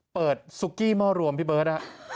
เปิดสุกี้ม่อรวมพี่เบิร์ตอะ